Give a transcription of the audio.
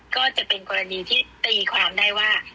ก็จะเป็นกรณีที่ตีความได้ว่า